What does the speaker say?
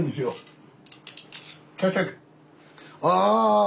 ああ！